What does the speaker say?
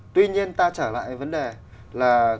tuy nhiên ta trở lại vấn đề là